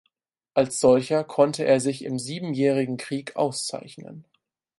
Als solcher konnte er sich im Siebenjährigen Krieg auszeichnen.